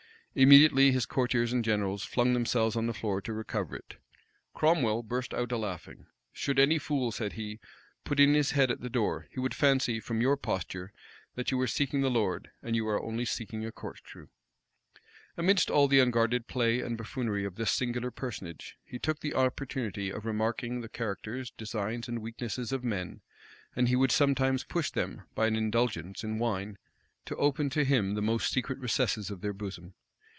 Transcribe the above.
Immediately his courtiers and generals flung themselves on the floor to recover it. Cromwell burst out a laughing. "Should any fool," said he, "put in his head at the door, he would fancy, from your posture, that you were seeking the Lord; and you are only seeking a corkscrew." Amidst all the unguarded play and buffoonery of this singular personage, he took the opportunity of remarking the characters, designs, and weaknesses of men; and he would sometimes push them, by an indulgence in wine, to open to him the most secret recesses of their bosom.